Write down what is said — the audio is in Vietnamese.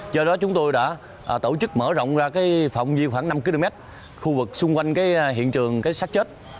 do đó chúng tôi đã tổ chức mở rộng ra cái phòng dư khoảng năm km khu vực xung quanh cái hiện trường sát chết